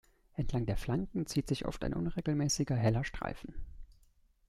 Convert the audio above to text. Entlang der Flanken zieht sich oft ein unregelmäßiger, heller Streifen.